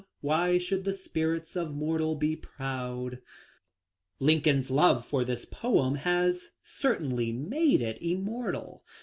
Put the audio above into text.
why should the spirit of mortal be proud." Lin coln's love for this poem has certainly made it im mortal.